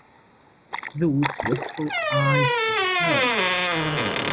Those wistful eyes of hers!